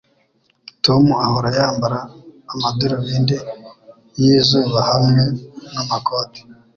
Tom ahora yambara amadarubindi yizuba hamwe namakoti.